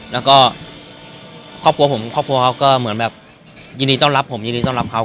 แล้วก็ครอบครัวผมครอบครัวเขาก็เหมือนแบบยินดีต้อนรับผมยินดีต้อนรับเขา